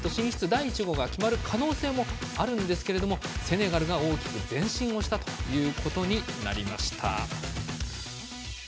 第１号が決まる可能性もあるんですけどセネガルが大きく前進をしたということになりました。